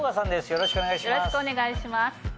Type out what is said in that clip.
よろしくお願いします。